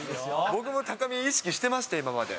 僕も高見え意識してましたよ、今まで。